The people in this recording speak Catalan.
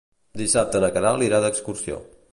Dissabte na Queralt irà d'excursió.